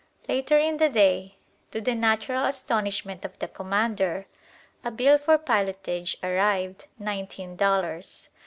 Later in the day, to the natural astonishment of the commander, a bill for pilotage arrived nineteen dollars!